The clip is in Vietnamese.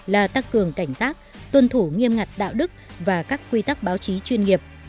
là tăng cường cảnh giác tuân thủ nghiêm ngặt đạo đức và các quy tắc báo chí chuyên nghiệp